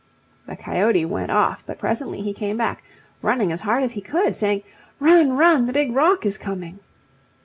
The coyote went off, but presently he came back, running as hard as he could, saying, "Run, run, the big rock is coming."